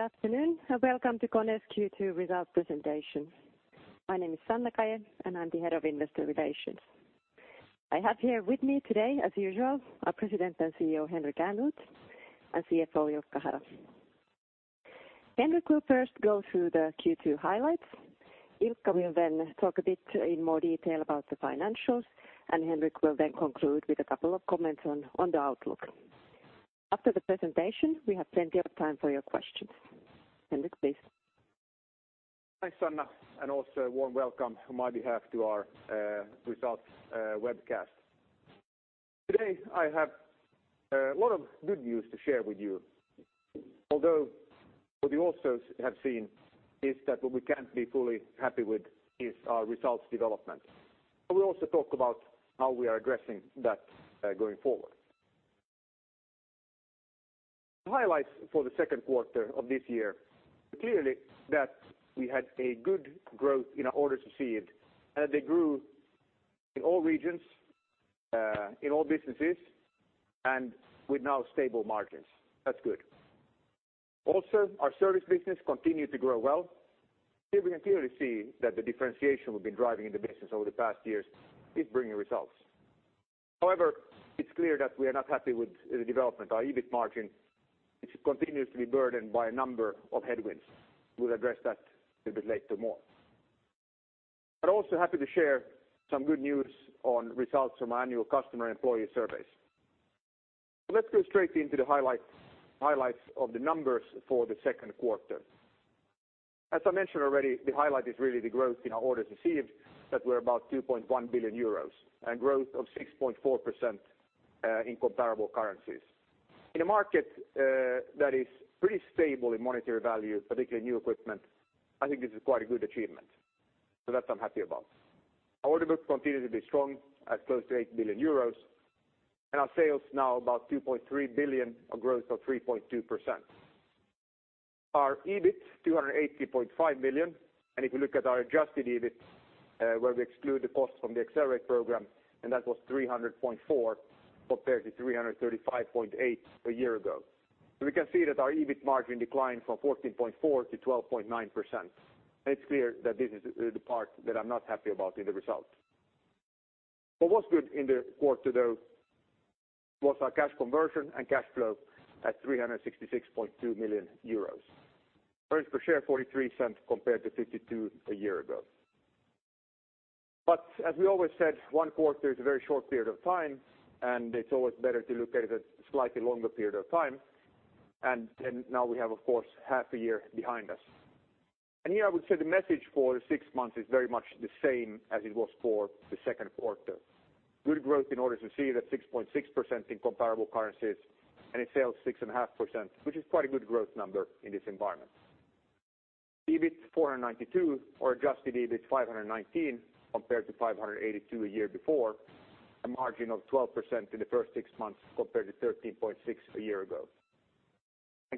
Good afternoon. Welcome to KONE's Q2 results presentation. My name is Sanna Kaje and I'm the head of investor relations. I have here with me today, as usual, our President and CEO, Henrik Ehrnrooth, and CFO, Ilkka Hara. Henrik will first go through the Q2 highlights. Ilkka will then talk a bit in more detail about the financials, Henrik will then conclude with a couple of comments on the outlook. After the presentation, we have plenty of time for your questions. Henrik, please. Thanks, Sanna, also a warm welcome on my behalf to our results webcast. Today, I have a lot of good news to share with you. Although what you also have seen is that what we can't be fully happy with is our results development. I will also talk about how we are addressing that going forward. The highlights for the second quarter of this year, clearly that we had a good growth in our orders received, they grew in all regions, in all businesses, with now stable margins. That's good. Our service business continued to grow well. Here we can clearly see that the differentiation we've been driving in the business over the past years is bringing results. It's clear that we are not happy with the development. Our EBIT margin is continuously burdened by a number of headwinds. We'll address that a little bit later more. I'm also happy to share some good news on results from our annual customer employee surveys. Let's go straight into the highlights of the numbers for the second quarter. As I mentioned already, the highlight is really the growth in our orders received that were about 2.1 billion euros and growth of 6.4% in comparable currencies. In a market that is pretty stable in monetary value, particularly new equipment, I think this is quite a good achievement. That's I'm happy about. Our order book continued to be strong at close to 8 billion euros, our sales now about 2.3 billion, a growth of 3.2%. Our EBIT, 280.5 million. If you look at our adjusted EBIT, where we exclude the cost from the Accelerate program, that was 300.4 million compared to 335.8 million a year ago. We can see that our EBIT margin declined from 14.4% to 12.9%. It's clear that this is the part that I'm not happy about in the result. What's good in the quarter, though, was our cash conversion and cash flow at 366.2 million euros. Earnings per share 0.43 compared to 0.52 a year ago. As we always said, one quarter is a very short period of time, it's always better to look at it at slightly longer period of time. Now we have, of course, half a year behind us. Here I would say the message for the six months is very much the same as it was for the second quarter. Good growth in orders received at 6.6% in comparable currencies, in sales 6.5%, which is quite a good growth number in this environment. EBIT 492 or adjusted EBIT 519 compared to 582 a year before, a margin of 12% in the first six months compared to 13.6% a year ago.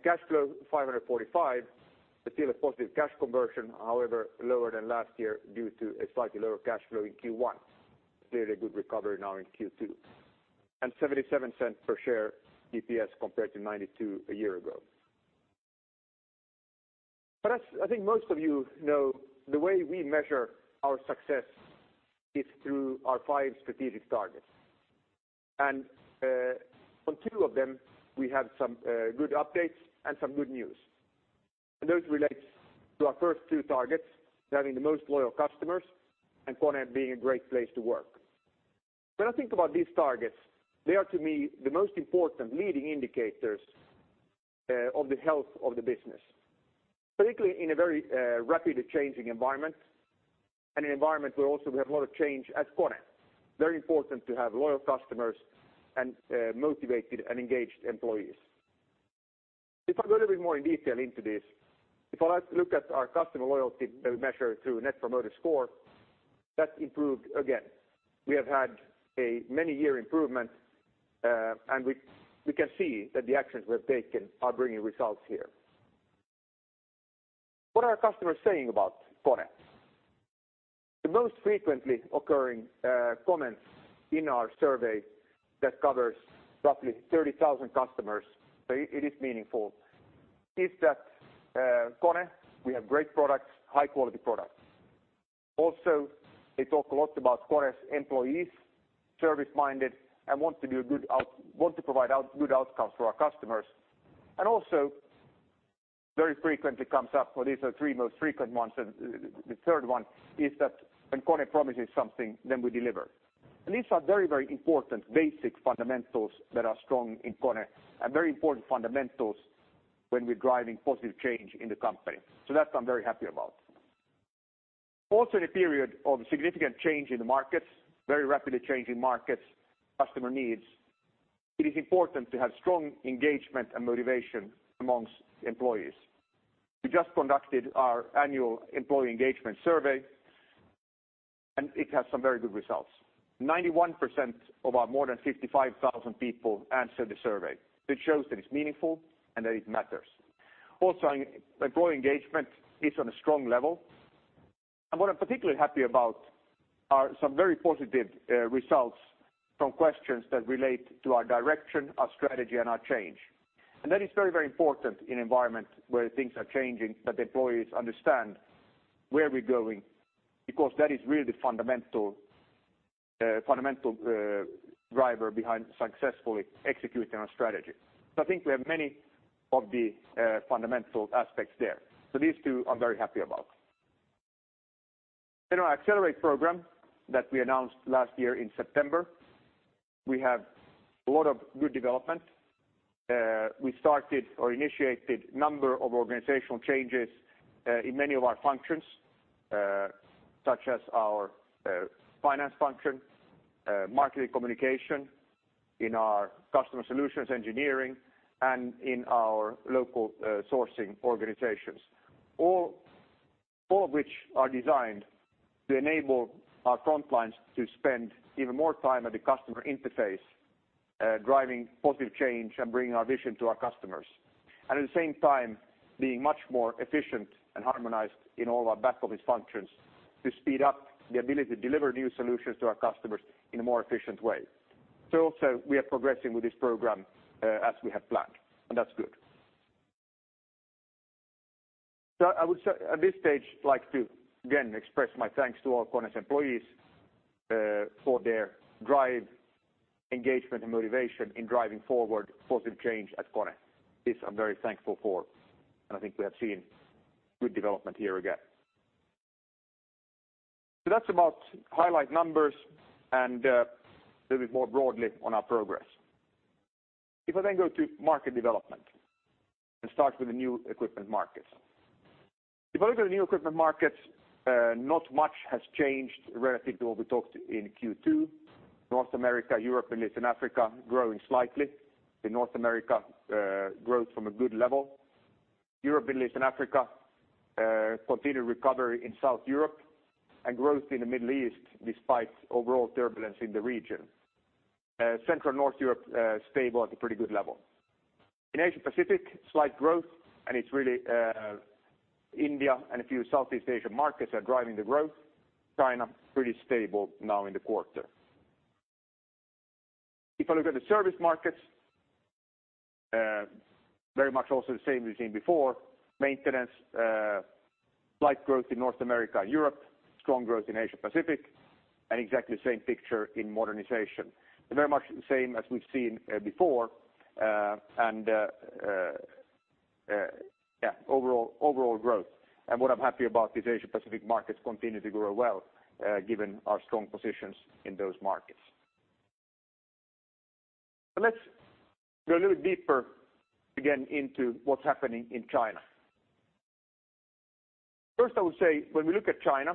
Cash flow 545, but still a positive cash conversion, however, lower than last year due to a slightly lower cash flow in Q1. Clearly, a good recovery now in Q2. 0.77 per share EPS compared to 0.92 a year ago. As I think most of you know, the way we measure our success is through our five strategic targets. On two of them, we have some good updates and some good news. Those relate to our first two targets, having the most loyal customers and KONE being a great place to work. When I think about these targets, they are to me the most important leading indicators of the health of the business, particularly in a very rapidly changing environment and an environment where also we have a lot of change at KONE. Very important to have loyal customers and motivated and engaged employees. If I go a little bit more in detail into this, if I look at our customer loyalty measure through Net Promoter Score, that improved again. We have had a many-year improvement, and we can see that the actions we have taken are bringing results here. What are customers saying about KONE? The most frequently occurring comments in our survey that covers roughly 30,000 customers, so it is meaningful, is that KONE, we have great products, high-quality products. Also, they talk a lot about KONE's employees, service-minded and want to provide good outcomes for our customers. Also very frequently comes up, these are the three most frequent ones, the third one is that when KONE promises something, then we deliver. These are very important basic fundamentals that are strong in KONE and very important fundamentals when we're driving positive change in the company. That I'm very happy about. Also in a period of significant change in the markets, very rapidly changing markets, customer needs, it is important to have strong engagement and motivation amongst employees. We just conducted our annual employee engagement survey, and it has some very good results. 91% of our more than 55,000 people answered the survey, which shows that it's meaningful and that it matters. Also, employee engagement is on a strong level. What I'm particularly happy about are some very positive results from questions that relate to our direction, our strategy, and our change. That is very important in environment where things are changing, that the employees understand where we're going, because that is really the fundamental driver behind successfully executing our strategy. I think we have many of the fundamental aspects there. These two I'm very happy about. In our Accelerate program that we announced last year in September, we have a lot of good development. We started or initiated number of organizational changes in many of our functions, such as our finance function, marketing communication, in our customer solutions engineering, and in our local sourcing organizations. All of which are designed to enable our frontlines to spend even more time at the customer interface, driving positive change and bringing our vision to our customers. At the same time, being much more efficient and harmonized in all our back office functions to speed up the ability to deliver new solutions to our customers in a more efficient way. Also, we are progressing with this program, as we have planned, and that's good. I would at this stage like to, again, express my thanks to all KONE's employees for their drive, engagement, and motivation in driving forward positive change at KONE. This I'm very thankful for, and I think we have seen good development here again. That's about highlight numbers and a little bit more broadly on our progress. If I then go to market development and start with the new equipment markets. If I look at the new equipment markets, not much has changed relative to what we talked in Q2. North America, Europe, and East Africa growing slightly. In North America, growth from a good level. Europe and East Africa, continued recovery in South Europe and growth in the Middle East despite overall turbulence in the region. Central North Europe, stable at a pretty good level. In Asia Pacific, slight growth, and it's really India and a few Southeast Asian markets are driving the growth. China pretty stable now in the quarter. If I look at the service markets, very much also the same we've seen before. Maintenance, slight growth in North America and Europe, strong growth in Asia Pacific, and exactly the same picture in modernization. Very much the same as we've seen before, and overall growth. What I'm happy about is Asia Pacific markets continue to grow well, given our strong positions in those markets. Let's go a little deeper again into what's happening in China. First, I would say when we look at China,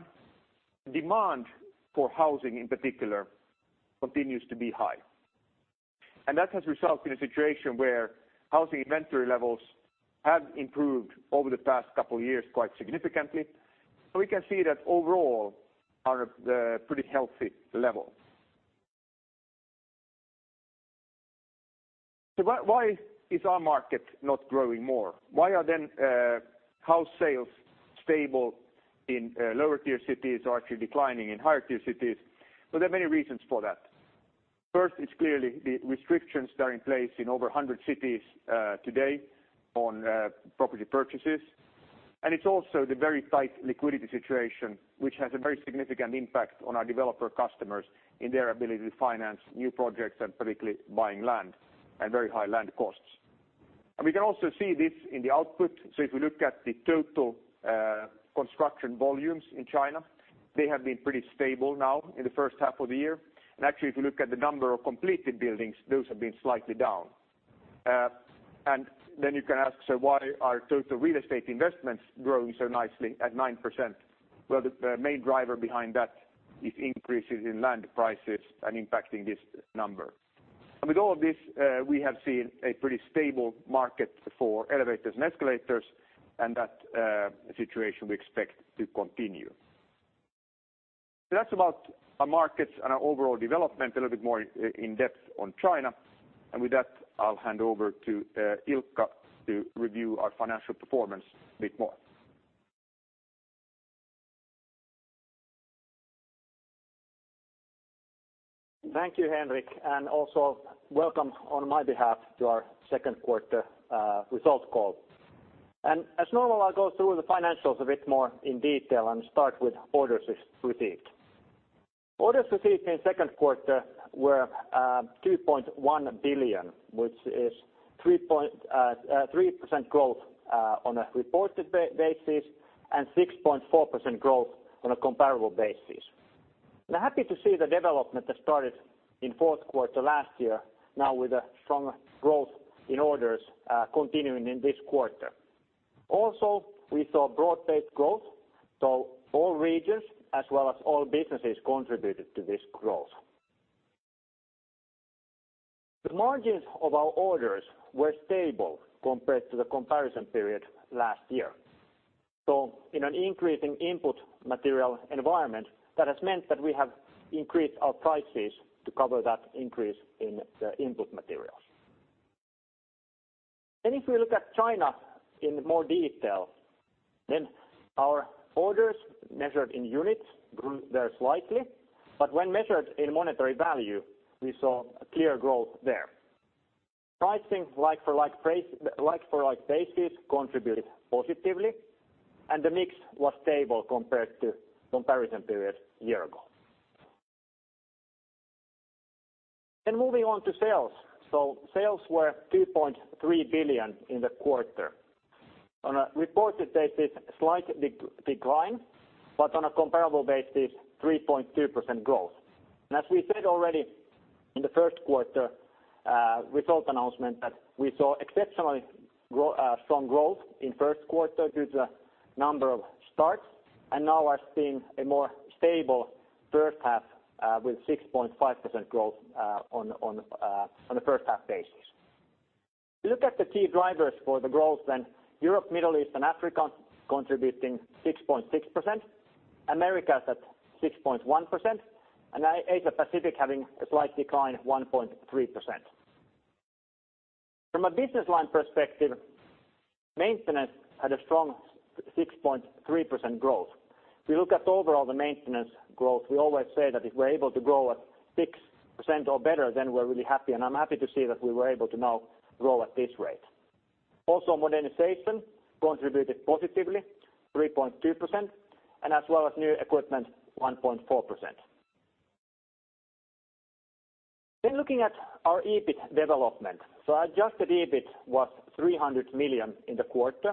demand for housing in particular continues to be high. That has resulted in a situation where housing inventory levels have improved over the past couple of years quite significantly. We can see that overall are at a pretty healthy level. Why is our market not growing more? Why are then house sales stable in lower tier cities or actually declining in higher tier cities? There are many reasons for that. First, it's clearly the restrictions that are in place in over 100 cities today on property purchases. It's also the very tight liquidity situation, which has a very significant impact on our developer customers in their ability to finance new projects and particularly buying land at very high land costs. We can also see this in the output. If we look at the total construction volumes in China, they have been pretty stable now in the first half of the year. Actually, if you look at the number of completed buildings, those have been slightly down. Then you can ask, why are total real estate investments growing so nicely at 9%? Well, the main driver behind that is increases in land prices and impacting this number. With all of this, we have seen a pretty stable market for elevators and escalators, and that situation we expect to continue. That's about our markets and our overall development, a little bit more in depth on China. With that, I'll hand over to Ilkka to review our financial performance a bit more. Thank you, Henrik, and also welcome on my behalf to our second quarter results call. As normal, I'll go through the financials a bit more in detail and start with orders received. Orders received in the second quarter were 2.1 billion, which is 3% growth on a reported basis and 6.4% growth on a comparable basis. I'm happy to see the development that started in fourth quarter last year, now with a stronger growth in orders continuing in this quarter. We saw broad-based growth. All regions as well as all businesses contributed to this growth. The margins of our orders were stable compared to the comparison period last year. In an increasing input material environment, that has meant that we have increased our prices to cover that increase in the input materials. If we look at China in more detail, then our orders measured in units grew there slightly. When measured in monetary value, we saw a clear growth there. Pricing like-for-like basis contributed positively, and the mix was stable compared to comparison period a year ago. Moving on to sales. Sales were 2.3 billion in the quarter. On a reported basis, slight decline, but on a comparable basis, 3.2% growth. As we said already in the first quarter result announcement that we saw exceptionally strong growth in first quarter due to the number of starts, and now we're seeing a more stable first half with 6.5% growth on the first half basis. If you look at the key drivers for the growth then Europe, Middle East, and Africa contributing 6.6%, Americas at 6.1%, and Asia Pacific having a slight decline at 1.3%. From a business line perspective, maintenance had a strong 6.3% growth. We look at overall the maintenance growth, we always say that if we're able to grow at 6% or better, then we're really happy, and I'm happy to see that we were able to now grow at this rate. Modernization contributed positively 3.2%, and as well as new equipment, 1.4%. Looking at our EBIT development. Adjusted EBIT was 300 million in the quarter,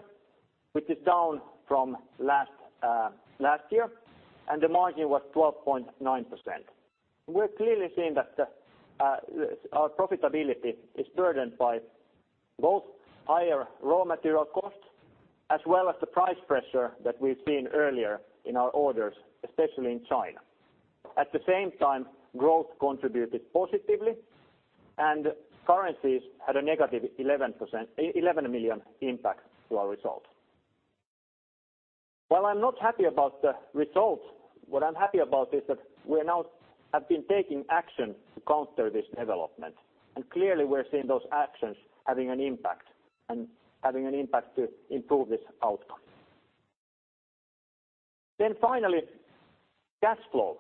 which is down from last year, and the margin was 12.9%. We're clearly seeing that our profitability is burdened by both higher raw material costs, as well as the price pressure that we've seen earlier in our orders, especially in China. At the same time, growth contributed positively, and currencies had a negative 11 million impact to our result. While I'm not happy about the results, what I'm happy about is that we now have been taking action to counter this development. Clearly, we're seeing those actions having an impact, and having an impact to improve this outcome. Finally, cash flow.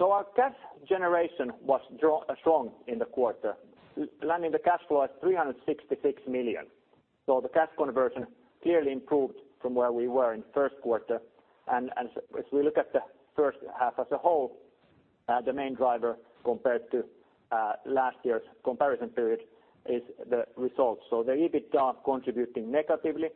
Our cash generation was strong in the quarter, landing the cash flow at 366 million. The cash conversion clearly improved from where we were in the first quarter. As we look at the first half as a whole, the main driver compared to last year's comparison period is the results. The EBIT down contributing negatively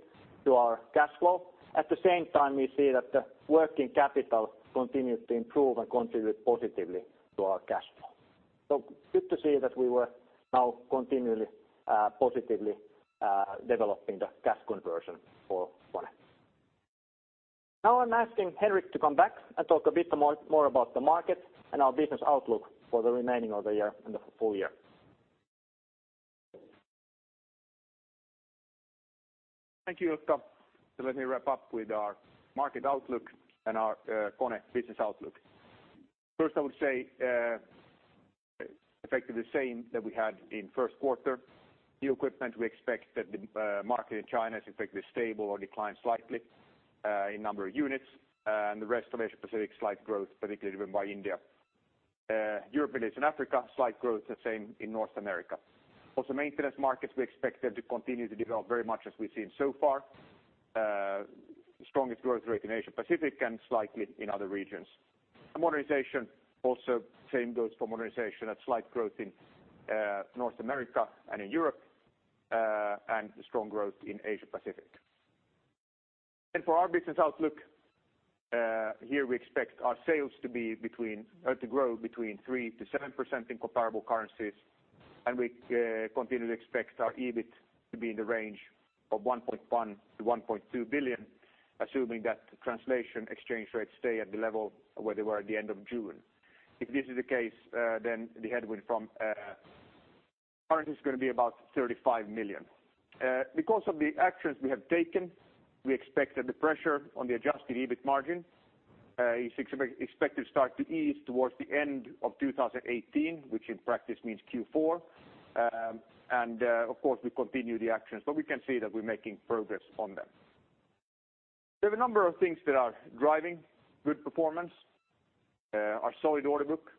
to our cash flow. At the same time, we see that the working capital continued to improve and contribute positively to our cash flow. Good to see that we were now continually positively developing the cash conversion for KONE. I'm asking Henrik to come back and talk a bit more about the market and our business outlook for the remaining of the year and the full year. Thank you, Ilkka. Let me wrap up with our market outlook and our KONE business outlook. First, I would say, effectively the same that we had in first quarter. New equipment, we expect that the market in China is effectively stable or declined slightly in number of units. The rest of Asia Pacific, slight growth, particularly driven by India. Europe, Middle East, and Africa, slight growth. The same in North America. Also maintenance markets, we expect them to continue to develop very much as we've seen so far. Strongest growth rate in Asia Pacific and slightly in other regions. Modernization also, same goes for modernization. A slight growth in North America and in Europe, and a strong growth in Asia Pacific. For our business outlook, here we expect our sales to grow between 3%-7% in comparable currencies, and we continually expect our EBIT to be in the range of 1.1 billion-1.2 billion, assuming that translation exchange rates stay at the level where they were at the end of June. If this is the case, the headwind from currency is going to be about 35 million. Because of the actions we have taken, we expect that the pressure on the adjusted EBIT margin is expected to start to ease towards the end of 2018, which in practice means Q4. Of course, we continue the actions, but we can see that we're making progress on them. There are a number of things that are driving good performance. Our solid order book,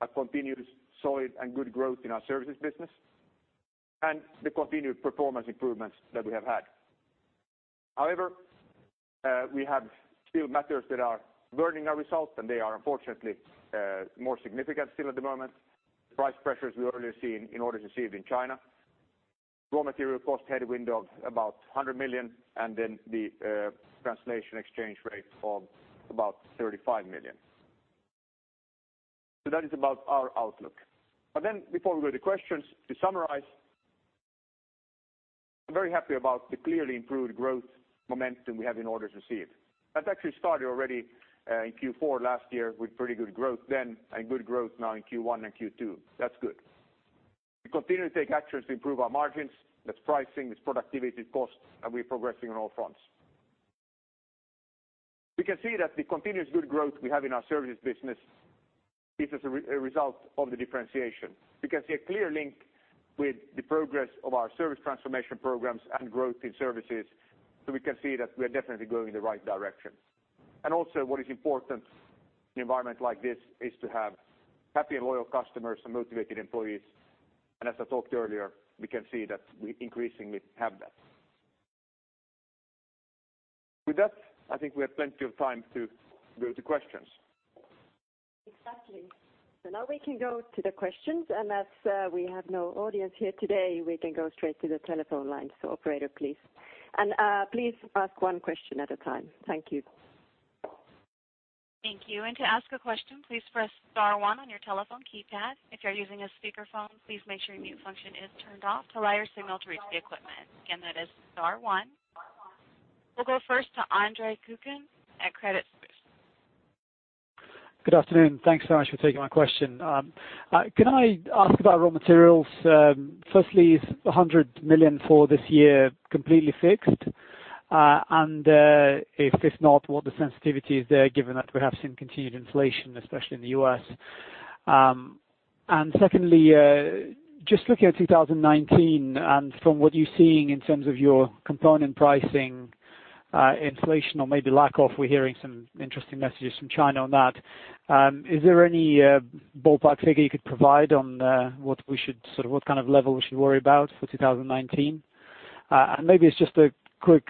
our continued solid and good growth in our services business, and the continued performance improvements that we have had. However, we have still matters that are burdening our results, and they are unfortunately more significant still at the moment. The price pressures we earlier seen in orders received in China. Raw material cost headwind of about 100 million, and the translation exchange rate of about 35 million. That is about our outlook. Before we go to questions, to summarize, I'm very happy about the clearly improved growth momentum we have in orders received. That actually started already in Q4 last year with pretty good growth then and good growth now in Q1 and Q2. That's good. We continue to take actions to improve our margins. That's pricing, it's productivity, it's costs, and we're progressing on all fronts. We can see that the continuous good growth we have in our services business is as a result of the differentiation. We can see a clear link with the progress of our service transformation programs and growth in services. We can see that we are definitely going in the right direction. Also what is important in an environment like this is to have happy and loyal customers and motivated employees. As I talked earlier, we can see that we increasingly have that. With that, I think we have plenty of time to go to questions. Exactly. Now we can go to the questions, and as we have no audience here today, we can go straight to the telephone lines. Operator, please. Please ask one question at a time. Thank you. Thank you. To ask a question, please press star one on your telephone keypad. If you're using a speakerphone, please make sure your mute function is turned off to allow your signal to reach the equipment. Again, that is star one. We'll go first to Andre Kukhnin at Credit Suisse. Good afternoon. Thanks so much for taking my question. Can I ask about raw materials? Firstly, is 100 million for this year completely fixed? If it's not, what are the sensitivities there, given that we have seen continued inflation, especially in the U.S.? Secondly, just looking at 2019 and from what you're seeing in terms of your component pricing, inflation or maybe lack of, we're hearing some interesting messages from China on that. Is there any ballpark figure you could provide on what kind of level we should worry about for 2019? Maybe it's just a quick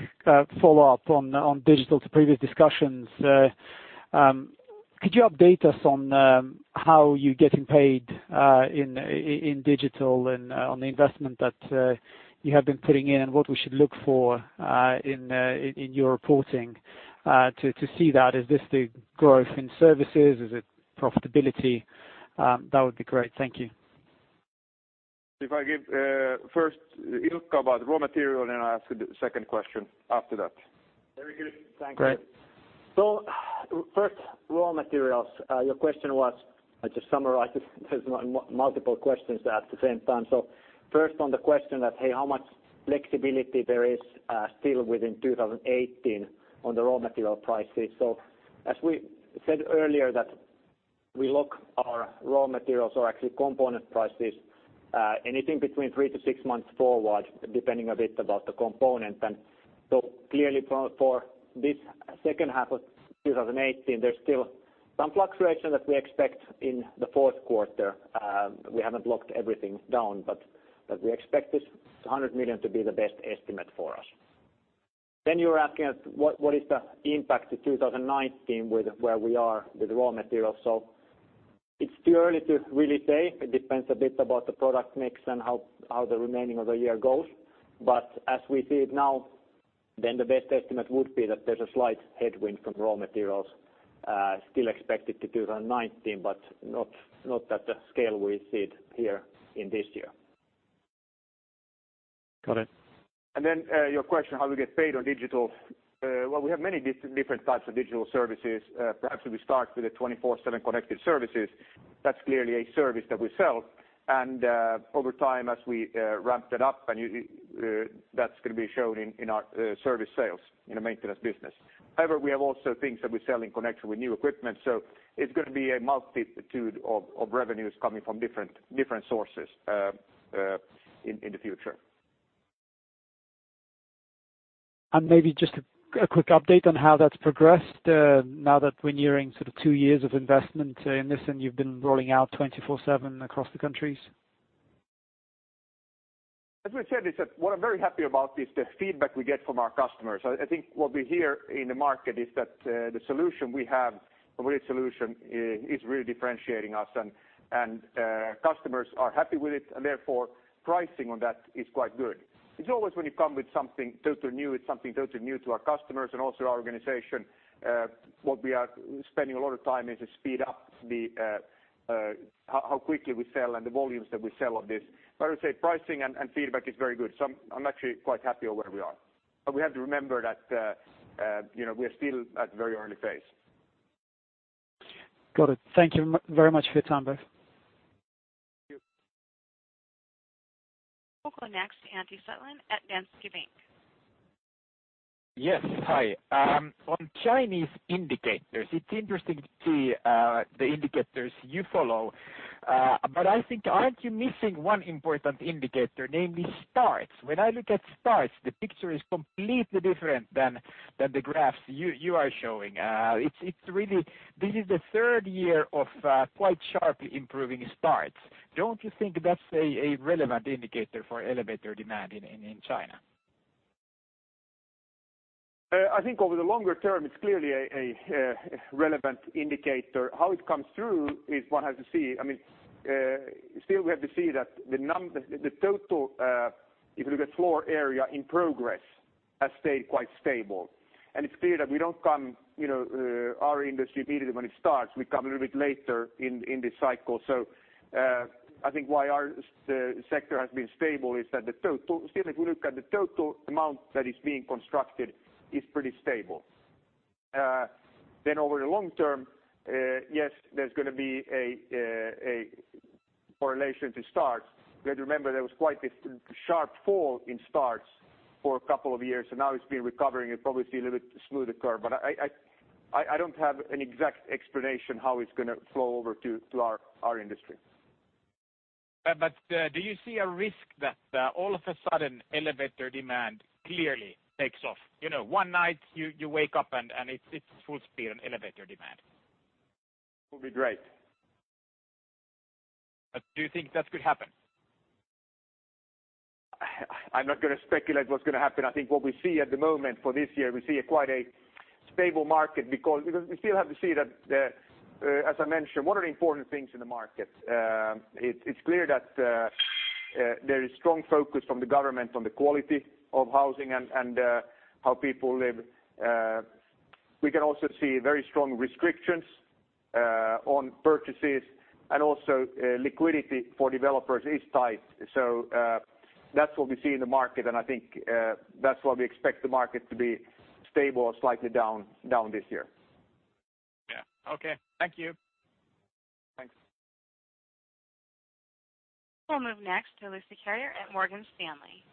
follow-up on digital to previous discussions. Could you update us on how you're getting paid in digital and on the investment that you have been putting in and what we should look for in your reporting to see that? Is this the growth in services? Is it profitability? That would be great. Thank you. If I give first Ilkka about raw material, then I'll ask the second question after that. Very good. Thank you. Great. First, raw materials. Your question was, I'll just summarize it. There's multiple questions at the same time. First on the question that how much flexibility there is still within 2018 on the raw material prices. As we said earlier that we lock our raw materials or actually component prices anything between three to six months forward, depending a bit about the component. Clearly for this second half of 2018, there's still some fluctuation that we expect in the fourth quarter. We haven't locked everything down, but we expect this 100 million to be the best estimate for us. You're asking us what is the impact to 2019 with where we are with raw materials. It's too early to really say. It depends a bit about the product mix and how the remaining of the year goes. As we see it now, then the best estimate would be that there's a slight headwind from raw materials still expected to 2019, but not at the scale we see it here in this year. Got it. Your question, how we get paid on digital. Well, we have many different types of digital services. Perhaps we start with the 24/7 Connected Services. That's clearly a service that we sell. Over time, as we ramp that up and that's going to be shown in our service sales in the maintenance business. However, we have also things that we sell in connection with new equipment. It's going to be a multitude of revenues coming from different sources in the future. Maybe just a quick update on how that's progressed now that we're nearing two years of investment in this, and you've been rolling out 24/7 across the countries. We said, what I'm very happy about is the feedback we get from our customers. I think what we hear in the market is that the solution we have, the right solution, is really differentiating us and customers are happy with it, and therefore pricing on that is quite good. It's always when you come with something totally new, it's something totally new to our customers and also our organization. What we are spending a lot of time is to speed up how quickly we sell and the volumes that we sell of this. I would say pricing and feedback is very good. I'm actually quite happy where we are. We have to remember that we are still at very early phase. Got it. Thank you very much for your time both. Thank you. We'll go next to Antti Suttelin at Danske Bank. Yes. Hi. On Chinese indicators, it's interesting to see the indicators you follow. I think aren't you missing one important indicator, namely starts? When I look at starts, the picture is completely different than the graphs you are showing. This is the third year of quite sharply improving starts. Don't you think that's a relevant indicator for elevator demand in China? I think over the longer term, it's clearly a relevant indicator. How it comes through is one has to see, still we have to see that the total, if you look at floor area in progress, has stayed quite stable. It's clear that we don't come, our industry immediately when it starts, we come a little bit later in the cycle. I think why our sector has been stable is that still if we look at the total amount that is being constructed is pretty stable. Over the long term, yes, there's going to be a correlation to starts. We had to remember there was quite a sharp fall in starts for a couple of years, and now it's been recovering. You'll probably see a little bit smoother curve. I don't have an exact explanation how it's going to flow over to our industry. Do you see a risk that all of a sudden elevator demand clearly takes off? One night, you wake up and it's full speed on elevator demand. It'll be great. Do you think that could happen? I'm not going to speculate what's going to happen. I think what we see at the moment for this year, we see a quite a stable market because we still have to see that, as I mentioned, what are the important things in the market? It's clear that there is strong focus from the government on the quality of housing and how people live. We can also see very strong restrictions on purchases and also liquidity for developers is tight. That's what we see in the market, and I think that's why we expect the market to be stable or slightly down this year. Yeah. Okay. Thank you. Thanks. We'll move next to Lucie Carrier at Morgan Stanley.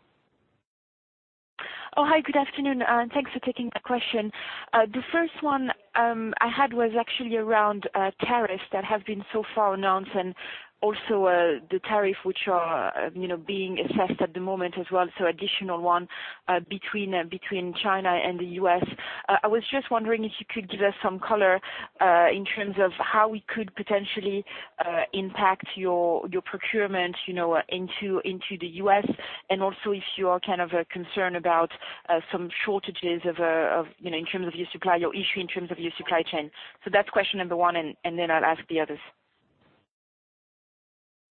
Oh, hi. Good afternoon, thanks for taking the question. The first one I had was actually around tariffs that have been so far announced and also the tariff which are being assessed at the moment as well. Additional one between China and the U.S. I was just wondering if you could give us some color in terms of how we could potentially impact your procurement into the U.S. and also if you are kind of concerned about some shortages in terms of your supply, your issue in terms of your supply chain. That's question number one, and then I'll ask the others.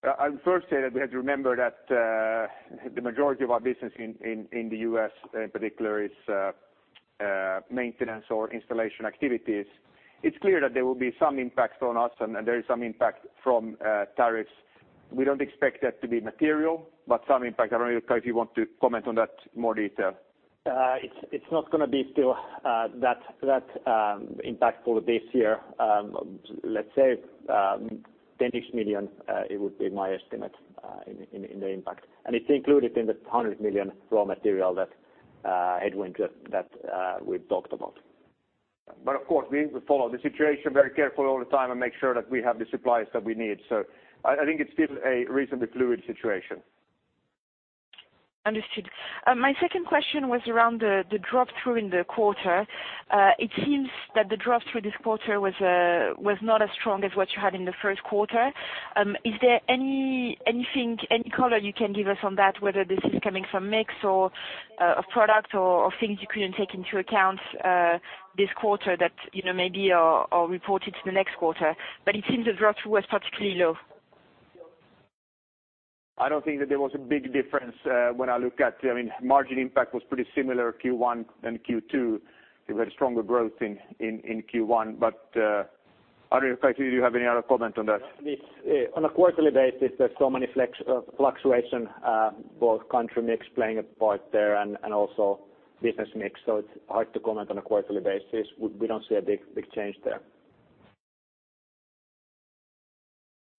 I'll first say that we have to remember that the majority of our business in the U.S. in particular is maintenance or installation activities. It's clear that there will be some impacts on us and there is some impact from tariffs. We don't expect that to be material, but some impact. I don't know, Ilkka, if you want to comment on that in more detail. It's not going to be still that impactful this year. Let's say 10-ish million it would be my estimate in the impact. It's included in the 100 million raw material that headwind that we've talked about. Of course, we follow the situation very carefully all the time and make sure that we have the supplies that we need. I think it's still a reasonably fluid situation. Understood. My second question was around the drop-through in the quarter. It seems that the drop-through this quarter was not as strong as what you had in the first quarter. Is there any color you can give us on that, whether this is coming from mix or a product or things you couldn't take into account this quarter that maybe are reported to the next quarter? It seems the drop-through was particularly low. I don't think that there was a big difference when I look at. Margin impact was pretty similar Q1 and Q2. We had a stronger growth in Q1. Ilkka, do you have any other comment on that? On a quarterly basis, there's so many fluctuation both country mix playing a part there and also business mix. It's hard to comment on a quarterly basis. We don't see a big change there.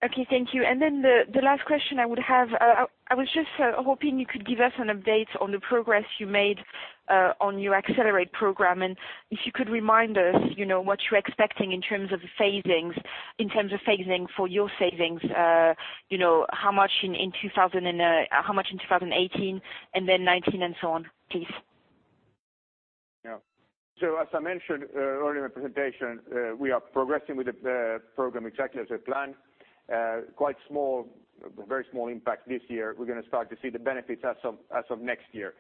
Okay, thank you. The last question I would have, I was just hoping you could give us an update on the progress you made on your Accelerate program. If you could remind us what you're expecting in terms of the phasings, in terms of phasing for your savings. How much in 2018 and then 2019 and so on, please? Yeah. As I mentioned earlier in the presentation, we are progressing with the Accelerate program exactly as we had planned. Quite small, very small impact this year. We're going to start to see the benefits as of next year.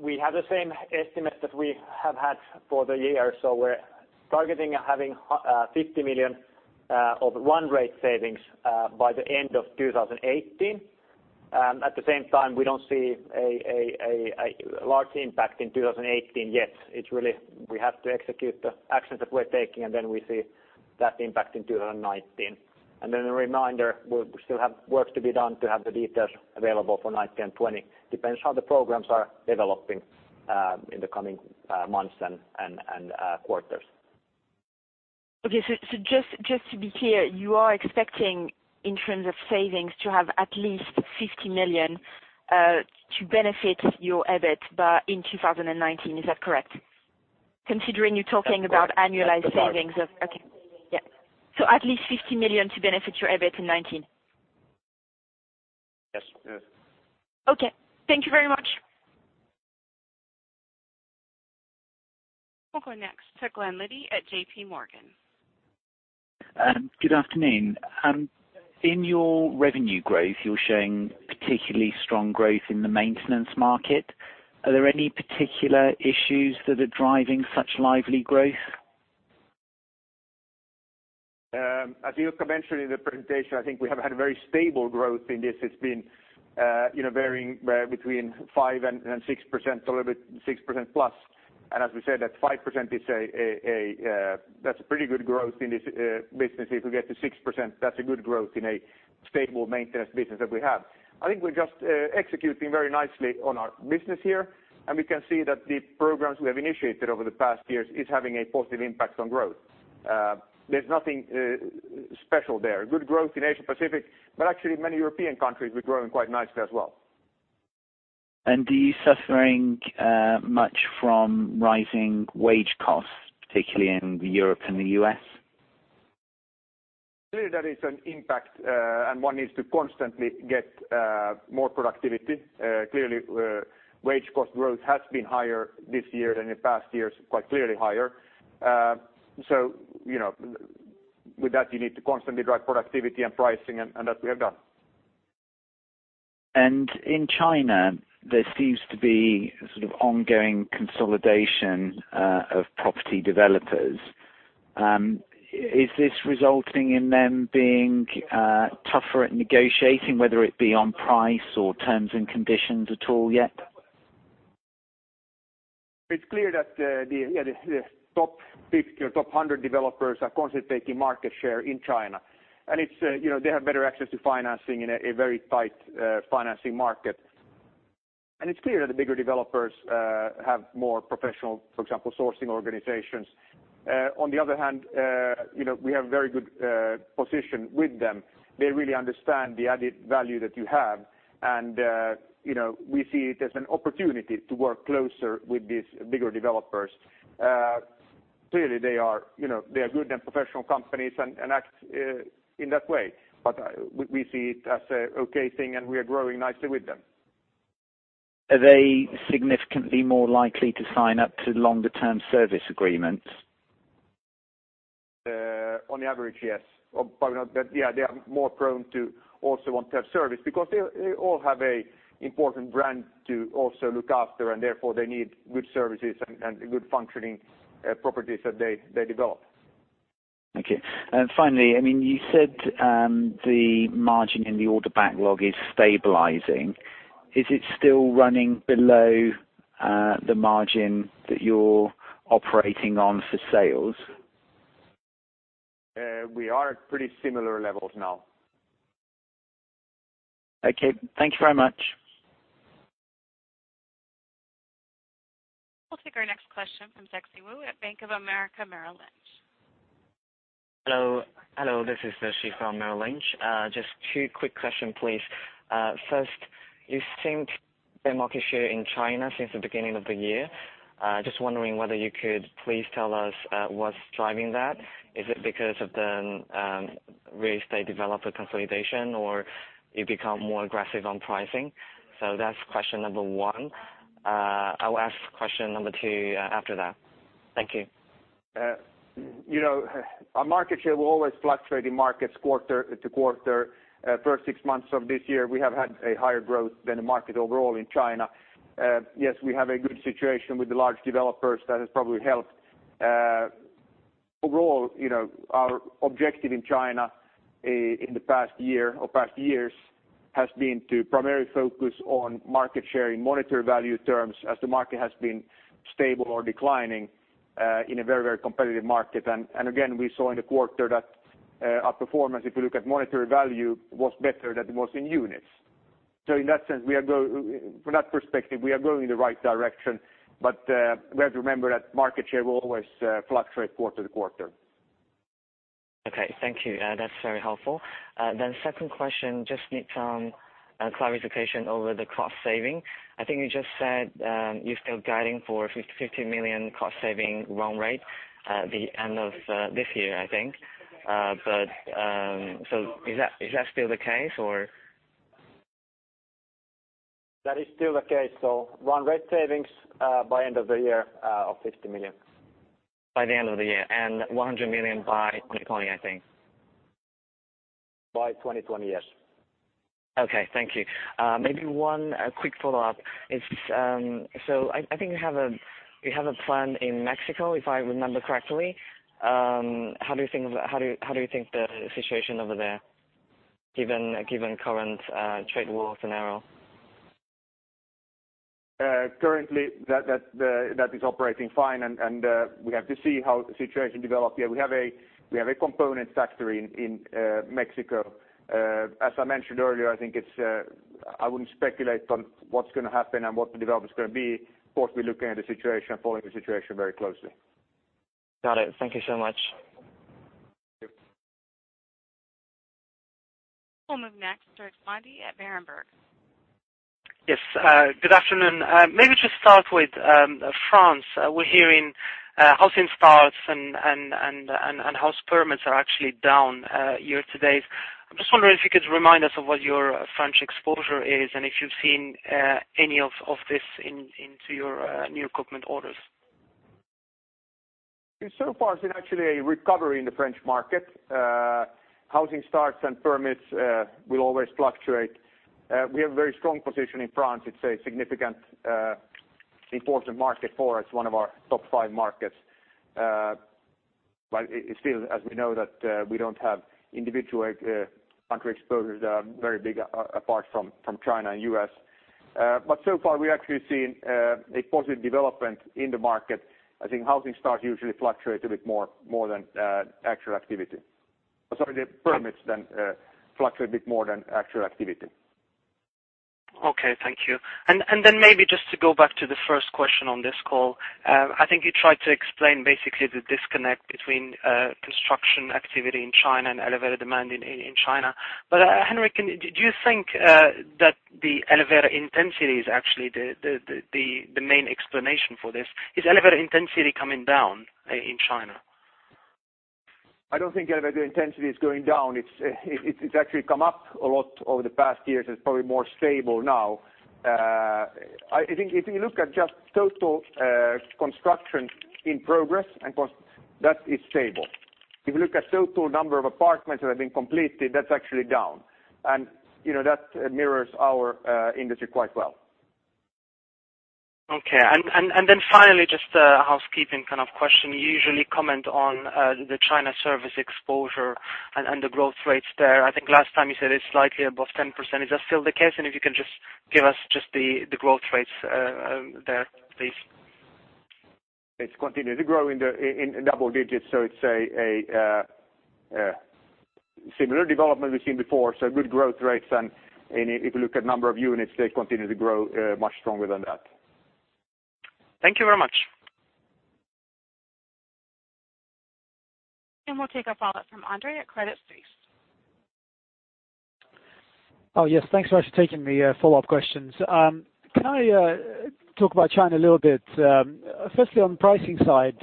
We have the same estimate that we have had for the year. We're targeting having 50 million of run-rate savings by the end of 2018. At the same time, we don't see a large impact in 2018 yet. We have to execute the actions that we're taking. We see that impact in 2019. A reminder, we still have work to be done to have the details available for 2019, 2020. Depends how the Accelerate programs are developing in the coming months and quarters. Okay. Just to be clear, you are expecting in terms of savings to have at least 50 million to benefit your EBIT but in 2019. Is that correct? Considering you're talking about annualized savings of That's correct. Okay. Yeah. At least 50 million to benefit your EBIT in 2019. Yes. Yes. Okay. Thank you very much. We'll go next to Glen Liddy at JP Morgan. Good afternoon. In your revenue growth, you're showing particularly strong growth in the maintenance market. Are there any particular issues that are driving such lively growth? As Ilkka mentioned in the presentation, I think we have had a very stable growth in this. It's been varying between 5% and 6%, a little bit 6% plus. As we said, that 5% that's a pretty good growth in this business. If we get to 6%, that's a good growth in a stable maintenance business that we have. I think we're just executing very nicely on our business here, and we can see that the programs we have initiated over the past years is having a positive impact on growth. There's nothing special there. Good growth in Asia Pacific, but actually many European countries we're growing quite nicely as well. Are you suffering much from rising wage costs, particularly in Europe and the U.S.? Clearly, that is an impact, and one needs to constantly get more productivity. Clearly, wage cost growth has been higher this year than in past years, quite clearly higher. With that, you need to constantly drive productivity and pricing, and that we have done. In China, there seems to be sort of ongoing consolidation of property developers. Is this resulting in them being tougher at negotiating, whether it be on price or terms and conditions at all yet? It's clear that the top 100 developers are constantly taking market share in China. They have better access to financing in a very tight financing market. It's clear that the bigger developers have more professional, for example, sourcing organizations. On the other hand, we have very good position with them. They really understand the added value that you have, and we see it as an opportunity to work closer with these bigger developers. Clearly they are good and professional companies and act in that way. We see it as an okay thing, and we are growing nicely with them. Are they significantly more likely to sign up to longer-term service agreements? On average, yes. Yeah, they are more prone to also want to have service because they all have an important brand to also look after, and therefore they need good services and good functioning properties that they develop. Okay. Finally, you said the margin in the order backlog is stabilizing. Is it still running below the margin that you're operating on for sales? We are at pretty similar levels now. Okay. Thank you very much. We'll take our next question from Zexi Wu at Bank of America Merrill Lynch. Hello. This is Zexi from Merrill Lynch. Just two quick question, please. First, you've seen the market share in China since the beginning of the year. Just wondering whether you could please tell us what's driving that. Is it because of the real estate developer consolidation, or you become more aggressive on pricing? That's question number one. I will ask question number two after that. Thank you. Our market share will always fluctuate in markets quarter-to-quarter. First six months of this year, we have had a higher growth than the market overall in China. Yes, we have a good situation with the large developers that has probably helped. Overall, our objective in China in the past year or past years has been to primarily focus on market share in monetary value terms as the market has been stable or declining in a very competitive market. Again, we saw in the quarter that our performance, if you look at monetary value, was better than it was in units. In that sense, from that perspective, we are going in the right direction, but we have to remember that market share will always fluctuate quarter-to-quarter. Okay. Thank you. That's very helpful. Second question, just need some clarification over the cost saving. I think you just said you're still guiding for 50 million cost saving run rate at the end of this year, I think. Is that still the case, or? That is still the case. Run rate savings by end of the year of 50 million. By the end of the year. 100 million by 2020, I think. By 2020, yes. Okay. Thank you. Maybe one quick follow-up is, I think you have a plan in Mexico, if I remember correctly. How do you think the situation over there, given current trade war scenario? Currently, that is operating fine, and we have to see how the situation develops. Yeah, we have a component factory in Mexico. As I mentioned earlier, I wouldn't speculate on what's going to happen and what the development's going to be. Of course, we're looking at the situation and following the situation very closely. Got it. Thank you so much. Thank you. We'll move next to Dirk Schwende at Berenberg. Yes. Good afternoon. Maybe just start with France. We're hearing housing starts and house permits are actually down year-to-date. I'm just wondering if you could remind us of what your French exposure is and if you've seen any of this into your new equipment orders. So far, I've seen actually a recovery in the French market. Housing starts and permits will always fluctuate. We have a very strong position in France. It's a significant important market for us, one of our top five markets. Still, as we know that we don't have individual country exposures that are very big apart from China and U.S. So far, we've actually seen a positive development in the market. I think housing starts usually fluctuate a bit more than actual activity. Sorry, the permits fluctuate a bit more than actual activity. Okay. Thank you. Maybe just to go back to the first question on this call. I think you tried to explain basically the disconnect between construction activity in China and elevated demand in China. Henrik, do you think that the elevator intensity is actually the main explanation for this? Is elevator intensity coming down in China? I don't think elevator intensity is going down. It's actually come up a lot over the past years. It's probably more stable now. I think if you look at just total construction in progress, that is stable. If you look at total number of apartments that have been completed, that's actually down. That mirrors our industry quite well. Okay. Finally, just a housekeeping kind of question. You usually comment on the China service exposure and the growth rates there. I think last time you said it's slightly above 10%. Is that still the case? If you can just give us just the growth rates there, please. It's continued to grow in double digits, it's a similar development we've seen before, good growth rates. If you look at number of units, they continue to grow much stronger than that. Thank you very much. We'll take a follow-up from Andre at Credit Suisse. Yes. Thanks very much for taking the follow-up questions. Can I talk about China a little bit? Firstly, on the pricing side,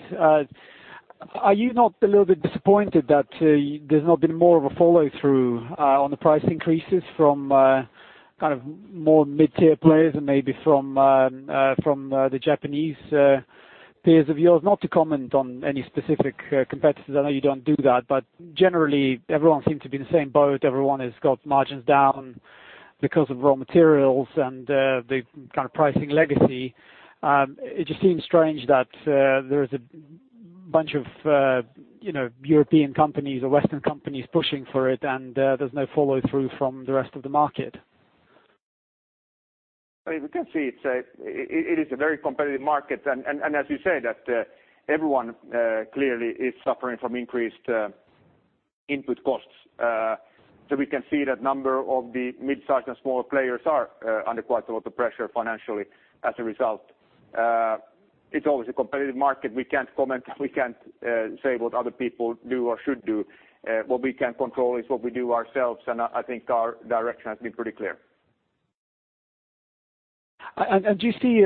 are you not a little bit disappointed that there's not been more of a follow-through on the price increases from more mid-tier players and maybe from the Japanese peers of yours? Not to comment on any specific competitors, I know you don't do that, but generally, everyone seems to be in the same boat. Everyone has got margins down because of raw materials and the kind of pricing legacy. It just seems strange that there is a bunch of European companies or Western companies pushing for it and there's no follow-through from the rest of the market. We can see it is a very competitive market. As you say, everyone clearly is suffering from increased input costs. We can see that number of the midsize and smaller players are under quite a lot of pressure financially as a result. It's always a competitive market. We can't comment, we can't say what other people do or should do. What we can control is what we do ourselves, and I think our direction has been pretty clear. Do you see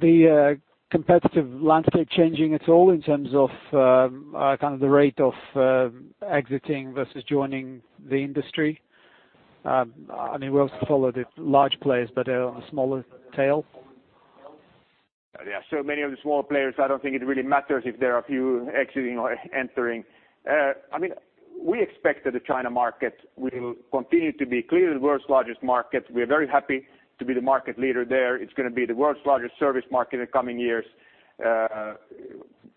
the competitive landscape changing at all in terms of the rate of exiting versus joining the industry? We obviously follow the large players, but on the smaller tail? Yeah. Many of the smaller players, I don't think it really matters if there are a few exiting or entering. We expect that the China market will continue to be clearly the world's largest market. We are very happy to be the market leader there. It's going to be the world's largest service market in the coming years,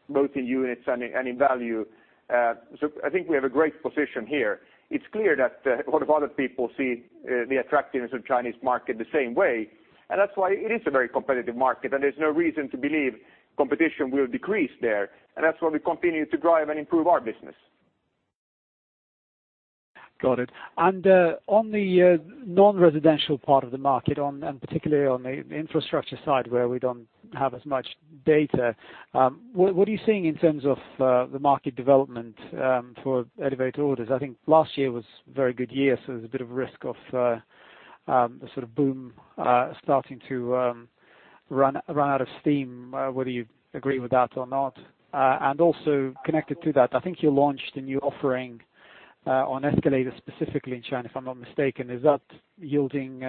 both in units and in value. I think we have a great position here. It's clear that a lot of other people see the attractiveness of Chinese market the same way, that's why it is a very competitive market, there's no reason to believe competition will decrease there. That's why we continue to drive and improve our business. Got it. On the non-residential part of the market, particularly on the infrastructure side where we don't have as much data, what are you seeing in terms of the market development for elevator orders? I think last year was a very good year, there's a bit of risk of the sort of boom starting to run out of steam whether you agree with that or not. Also connected to that, I think you launched a new offering on escalators specifically in China, if I'm not mistaken. Is that yielding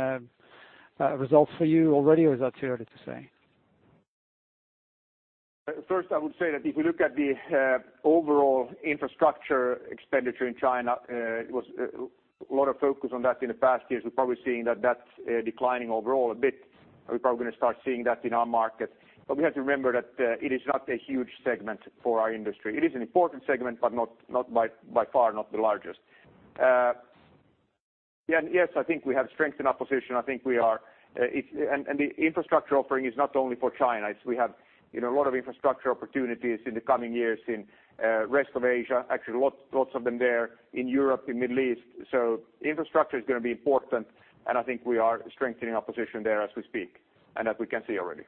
results for you already or is that too early to say? First I would say that if you look at the overall infrastructure expenditure in China, it was a lot of focus on that in the past years. We're probably seeing that that's declining overall a bit. We're probably going to start seeing that in our market. We have to remember that it is not a huge segment for our industry. It is an important segment, but by far not the largest. Yes, I think we have strength in our position. The infrastructure offering is not only for China. We have a lot of infrastructure opportunities in the coming years in rest of Asia, actually, lots of them there in Europe, in Middle East. Infrastructure is going to be important, I think we are strengthening our position there as we speak, as we can see already.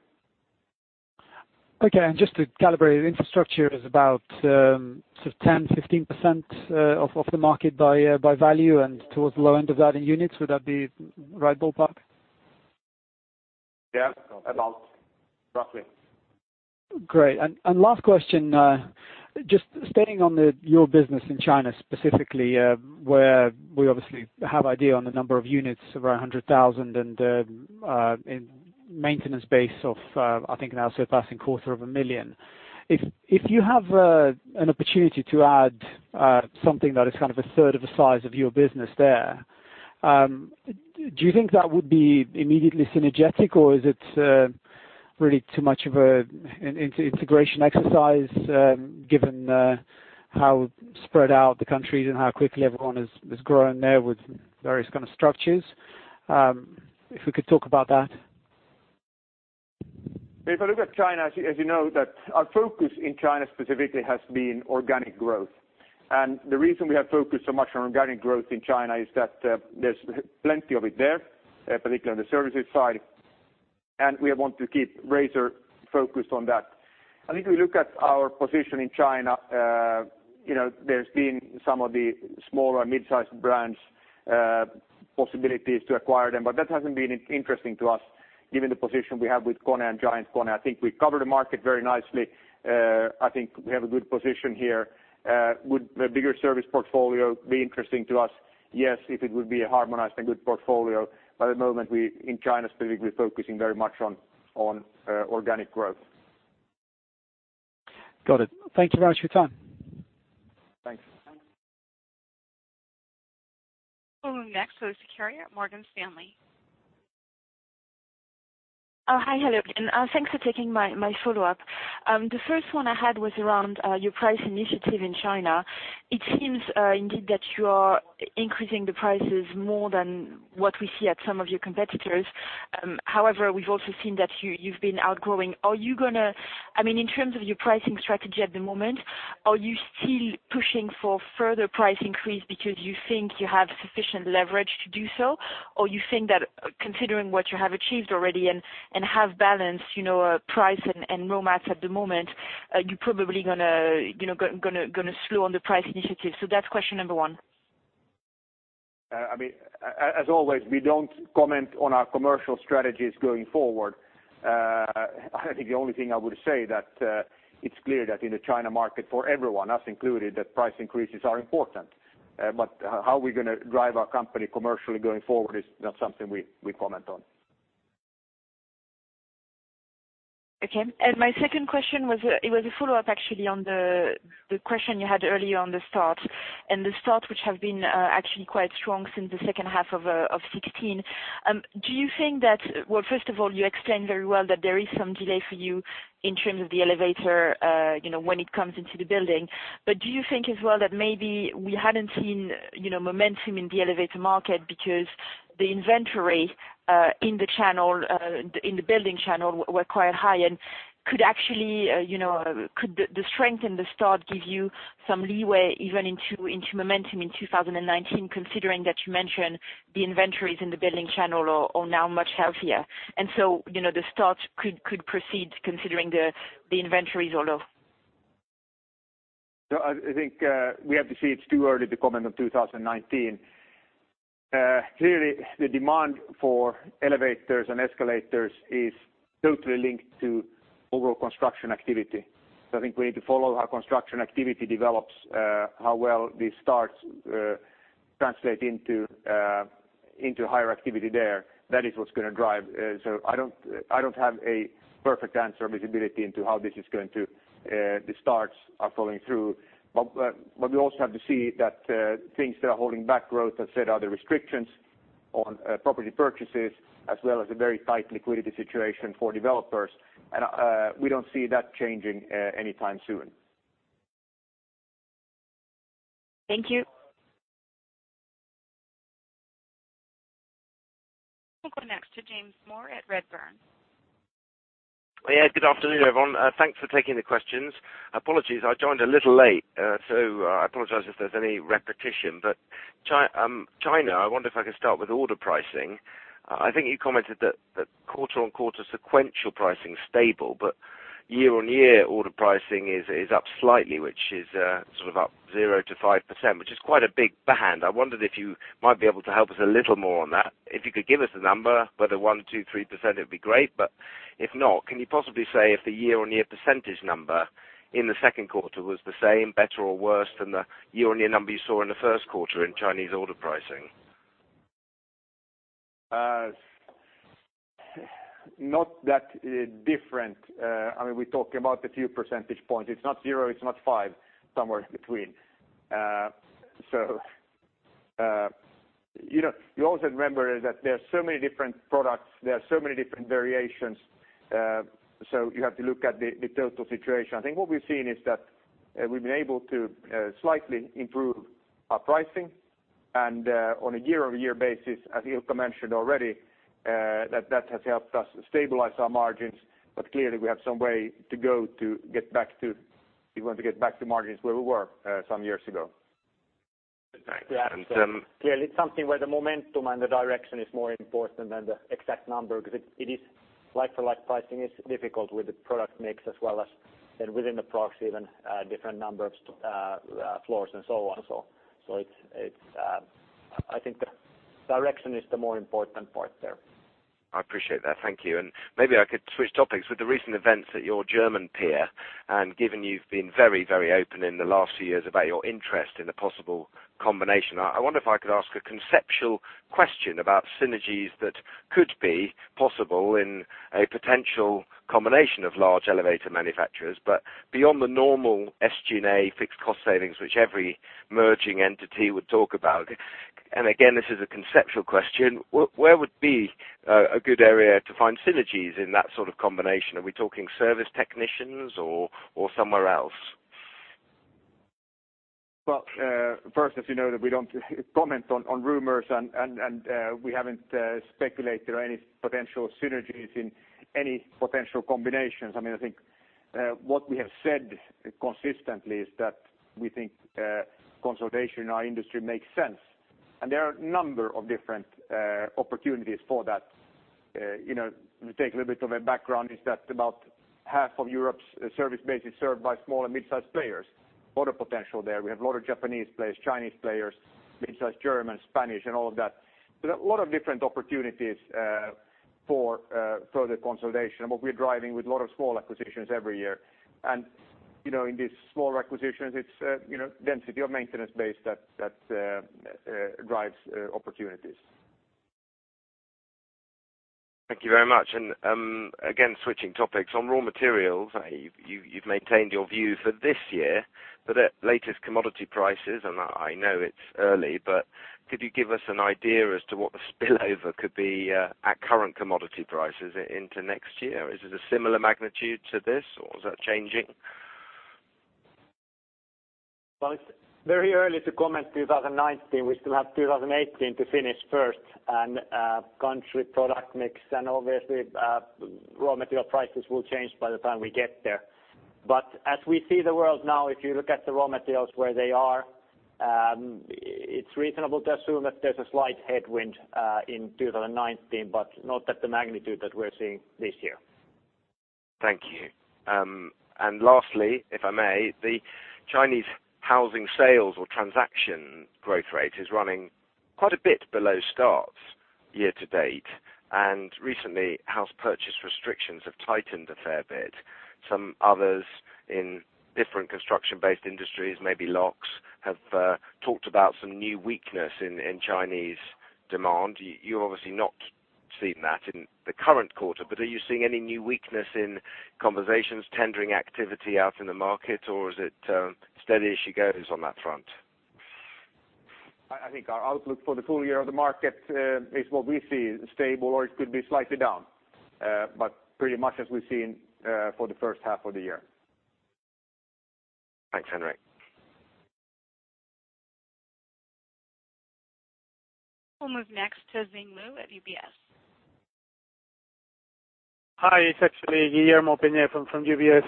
Okay. Just to calibrate, infrastructure is about sort of 10%-15% of the market by value and towards the low end of that in units. Would that be right ballpark? Yeah. About. Roughly. Great. Last question, just staying on your business in China specifically, where we obviously have idea on the number of units over 100,000 and in maintenance base of, I think now surpassing quarter of a million. If you have an opportunity to add something that is kind of a third of the size of your business there, do you think that would be immediately synergetic or is it really too much of an integration exercise given how spread out the country is and how quickly everyone is growing there with various kind of structures? If we could talk about that. If I look at China, as you know, that our focus in China specifically has been organic growth. The reason we have focused so much on organic growth in China is that there's plenty of it there, particularly on the services side. We want to keep Razor focused on that. I think if we look at our position in China, there's been some of the smaller mid-size brands possibilities to acquire them, but that hasn't been interesting to us given the position we have with KONE and GiantKONE. I think we cover the market very nicely. I think we have a good position here. Would the bigger service portfolio be interesting to us? Yes, if it would be a harmonized and good portfolio. At the moment, we, in China specifically, focusing very much on organic growth. Got it. Thank you very much for your time. Thanks. We'll go next to Lucie Carrier at Morgan Stanley. Hi. Hello again. Thanks for taking my follow-up. The first one I had was around your price initiative in China. It seems indeed that you are increasing the prices more than what we see at some of your competitors. However, we've also seen that you've been outgrowing. In terms of your pricing strategy at the moment, are you still pushing for further price increase because you think you have sufficient leverage to do so? You think that considering what you have achieved already and have balanced a price and performance at the moment, you're probably going to slow on the price initiative? That's question number one. As always, we don't comment on our commercial strategies going forward. I think the only thing I would say that it's clear that in the China market, for everyone, us included, that price increases are important. How we're going to drive our company commercially going forward is not something we comment on. My second question was a follow-up actually on the question you had earlier on the start. The start which have been actually quite strong since the second half of 2016. First of all, you explained very well that there is some delay for you in terms of the elevator when it comes into the building. Do you think as well that maybe we hadn't seen momentum in the elevator market because the inventory in the building channel were quite high and could the strength in the start give you some leeway even into momentum in 2019, considering that you mentioned the inventories in the building channel are now much healthier. The start could proceed considering the inventories are low. No. I think we have to see. It's too early to comment on 2019. Clearly, the demand for elevators and escalators is totally linked to overall construction activity. I think we need to follow how construction activity develops, how well these starts translate into higher activity there. That is what's going to drive. I don't have a perfect answer or visibility into how the starts are following through. We also have to see that things that are holding back growth, as said, are the restrictions on property purchases, as well as a very tight liquidity situation for developers. We don't see that changing anytime soon. Thank you. We'll go next to James Moore at Redburn. Good afternoon, everyone. Thanks for taking the questions. Apologies, I joined a little late. I apologize if there's any repetition, China, I wonder if I could start with order pricing. I think you commented that quarter-on-quarter sequential pricing's stable, year-on-year order pricing is up slightly, which is sort of up 2%-5%, which is quite a big band. I wondered if you might be able to help us a little more on that. If you could give us a number, whether 1%, 2%, 3%, it'd be great. If not, can you possibly say if the year-on-year percentage number in Q2 was the same, better, or worse than the year-on-year number you saw in Q1 in Chinese order pricing? Not that different. We're talking about a few percentage points. It's not zero, it's not five, somewhere in between. You also remember that there are so many different products, there are so many different variations. You have to look at the total situation. I think what we've seen is that we've been able to slightly improve our pricing and on a year-over-year basis, as Ilkka mentioned already, that has helped us stabilize our margins. Clearly we have some way to go to get back to margins where we were some years ago. Thanks. Clearly it's something where the momentum and the direction is more important than the exact number because like-for-like pricing is difficult with the product mix as well as then within the products even different number of floors and so on. I think the direction is the more important part there. I appreciate that. Thank you. Maybe I could switch topics. With the recent events at your German peer, given you've been very open in the last few years about your interest in a possible combination, I wonder if I could ask a conceptual question about synergies that could be possible in a potential combination of large elevator manufacturers, beyond the normal SG&A fixed cost savings, which every merging entity would talk about. Again, this is a conceptual question. Where would be a good area to find synergies in that sort of combination? Are we talking service technicians or somewhere else? Well, first, as you know, that we don't comment on rumors and we haven't speculated on any potential synergies in any potential combinations. I think what we have said consistently is that we think consolidation in our industry makes sense There are a number of different opportunities for that. To take a little bit of a background is that about half of Europe's service base is served by small and mid-size players. A lot of potential there. We have a lot of Japanese players, Chinese players, mid-size German, Spanish and all of that. A lot of different opportunities for further consolidation, what we're driving with a lot of small acquisitions every year. In these small acquisitions, it's density of maintenance base that drives opportunities. Thank you very much. Again, switching topics. On raw materials, you've maintained your view for this year, but at latest commodity prices, I know it's early, but could you give us an idea as to what the spillover could be at current commodity prices into next year? Is it a similar magnitude to this or is that changing? Well, it's very early to comment 2019. We still have 2018 to finish first and country product mix and obviously raw material prices will change by the time we get there. As we see the world now, if you look at the raw materials where they are, it's reasonable to assume that there's a slight headwind in 2019, but not at the magnitude that we're seeing this year. Thank you. Lastly, if I may, the Chinese housing sales or transaction growth rate is running quite a bit below starts year to date. Recently, house purchase restrictions have tightened a fair bit. Some others in different construction-based industries, maybe locks, have talked about some new weakness in Chinese demand. You're obviously not seeing that in the current quarter, but are you seeing any new weakness in conversations, tendering activity out in the market, or is it steady as she goes on that front? I think our outlook for the full year of the market is what we see stable or it could be slightly down. Pretty much as we've seen for the first half of the year. Thanks, Henrik. We'll move next to Xing Liu at UBS. Hi, it's actually Guillermo Pena from UBS.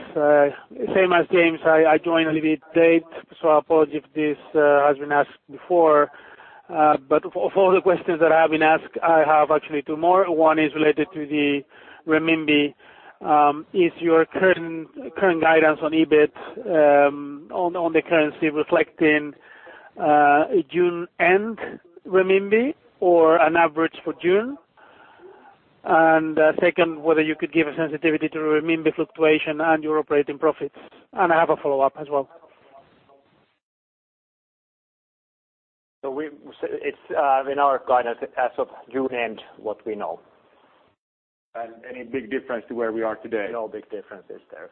Same as James, I joined a little bit late, so I apologize if this has been asked before. Of all the questions that have been asked, I have actually two more. One is related to the renminbi. Is your current guidance on EBIT on the currency reflecting June end renminbi or an average for June? Second, whether you could give a sensitivity to renminbi fluctuation and your operating profits. I have a follow-up as well. It's in our guidance as of June end what we know. Any big difference to where we are today? No big differences there.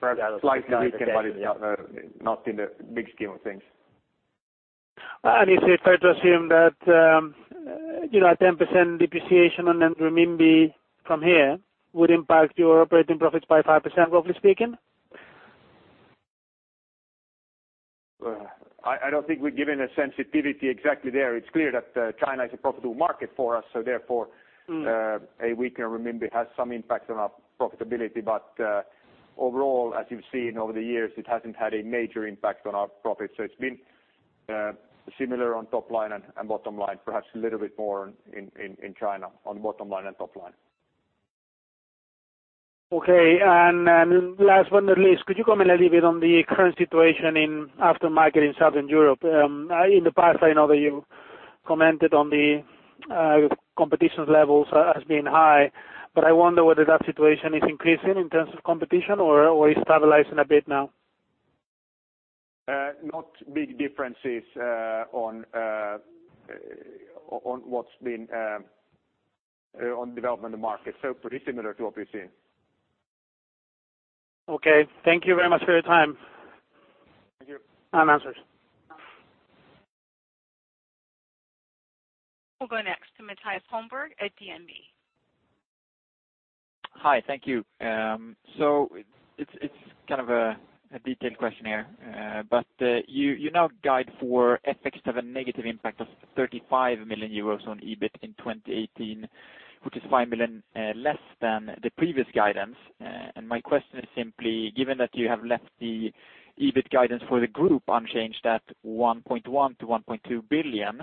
Perhaps slightly weaker, but it's not in the big scheme of things. Is it fair to assume that a 10% depreciation on renminbi from here would impact your operating profits by 5%, roughly speaking? I don't think we've given a sensitivity exactly there. It's clear that China is a profitable market for us, so therefore a weaker renminbi has some impact on our profitability. Overall, as you've seen over the years, it hasn't had a major impact on our profits. It's been similar on top line and bottom line, perhaps a little bit more in China on bottom line and top line. Okay. Last but not least, could you comment a little bit on the current situation in aftermarket in Southern Europe? In the past, I know that you commented on the competition levels as being high, but I wonder whether that situation is increasing in terms of competition or it's stabilizing a bit now. Not big differences on development of the market, pretty similar to what we've seen. Okay. Thank you very much for your time. Thank you. Answers. We'll go next to Mattias Holmberg at DNB. Hi. Thank you. It's kind of a detailed question here. You now guide for FX to have a negative impact of 35 million euros on EBIT in 2018, which is 5 million less than the previous guidance. My question is simply, given that you have left the EBIT guidance for the group unchanged at 1.1 billion-1.2 billion,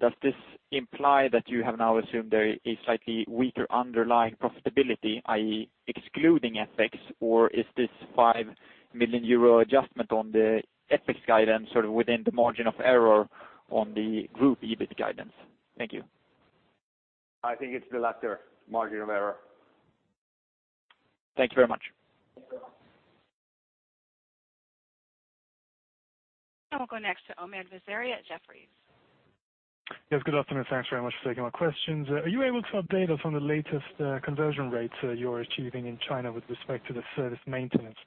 does this imply that you have now assumed there is slightly weaker underlying profitability, i.e., excluding FX, or is this 5 million euro adjustment on the FX guidance sort of within the margin of error on the group EBIT guidance? Thank you. I think it's the latter, margin of error. Thank you very much. We'll go next to Omed Wasseri at Jefferies. Yes, good afternoon. Thanks very much for taking my questions. Are you able to update us on the latest conversion rates you're achieving in China with respect to the service maintenance?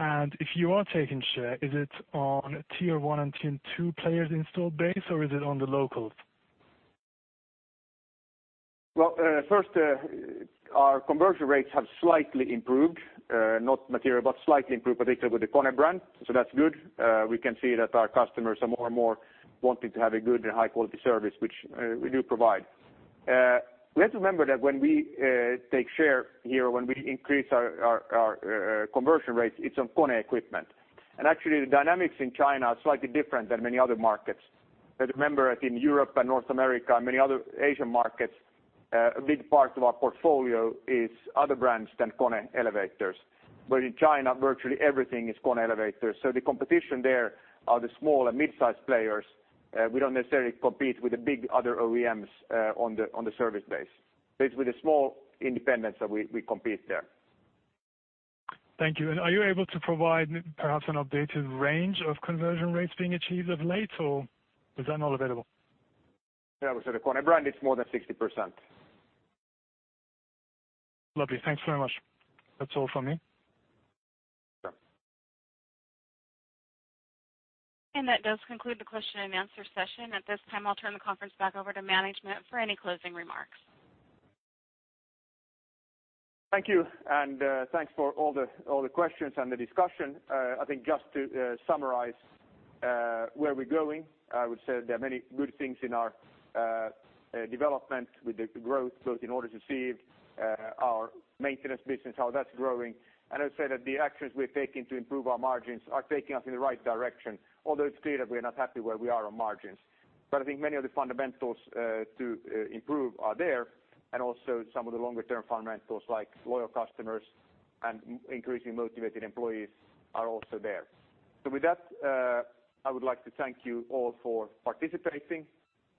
If you are taking share, is it on tier 1 and tier 2 players installed base or is it on the local? Well, first our conversion rates have slightly improved, not material, but slightly improved, particularly with the KONE brand. That's good. We can see that our customers are more and more wanting to have a good and high-quality service, which we do provide. Let's remember that when we take share here, when we increase our conversion rates, it's on KONE equipment. Actually the dynamics in China are slightly different than many other markets. Remember that in Europe and North America and many other Asian markets, a big part of our portfolio is other brands than KONE elevators. In China, virtually everything is KONE elevators. The competition there are the small and mid-size players. We don't necessarily compete with the big other OEMs on the service base. It's with the small independents that we compete there. Thank you. Are you able to provide perhaps an updated range of conversion rates being achieved of late, or is that not available? Yeah, I would say the KONE brand is more than 60%. Lovely. Thanks very much. That's all from me. Sure. That does conclude the question and answer session. At this time, I'll turn the conference back over to management for any closing remarks. Thank you. Thanks for all the questions and the discussion. I think just to summarize where we're going, I would say there are many good things in our development with the growth, both in orders received, our maintenance business, how that's growing. I would say that the actions we're taking to improve our margins are taking us in the right direction, although it's clear that we're not happy where we are on margins. I think many of the fundamentals to improve are there, and also some of the longer-term fundamentals like loyal customers and increasingly motivated employees are also there. With that, I would like to thank you all for participating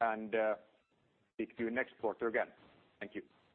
and speak to you next quarter again. Thank you.